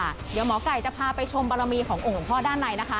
เดี๋ยวหมอไก่จะพาไปชมบารมีขององค์หลวงพ่อด้านในนะคะ